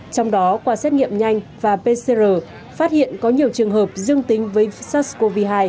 trong đó qua xét nghiệm nhanh và pcr phát hiện có nhiều trường hợp dương tính với sars cov hai